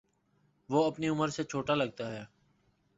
وہ اپنی عمر سے چھوٹا لگتا ہے